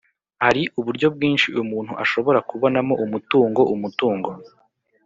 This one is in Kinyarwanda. Hari uburyo bwinshi umuntu ashobora kubonamo umutungo Umutungo